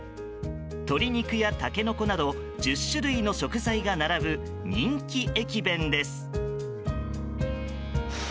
鶏肉やタケノコなど１０種類の食材が並ぶ人気駅弁です。